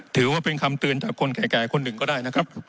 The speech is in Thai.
ถือว่าเป็นคำเตือนจากคนแก่คนหนึ่งก็ได้นะครับ